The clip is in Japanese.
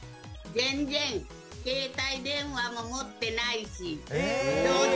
全然、携帯電話も持ってないし正直